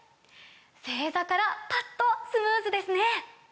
正座からパッとスムーズですね！